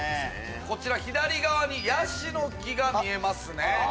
こちら左側にヤシの木が見えますね。